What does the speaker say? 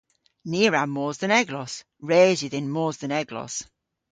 Ni a wra mos dhe'n eglos. Res yw dhyn mos dhe'n eglos.